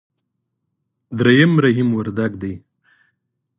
درېم رحيم وردګ دی.